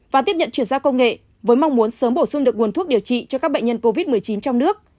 và tiếp nhận chuyển giao công nghệ với mong muốn sớm bổ sung được nguồn thuốc điều trị cho các bệnh nhân covid một mươi chín trong nước